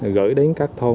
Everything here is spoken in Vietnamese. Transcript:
gửi đến các thôn